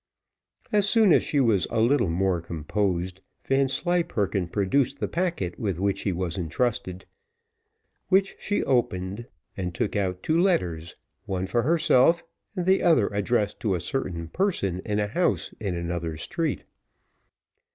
As soon as she was a little more composed, Vanslyperken produced the packet with which he was entrusted, which she opened, and took out two letters, one for herself, and the other addressed to a certain person in a house in another street.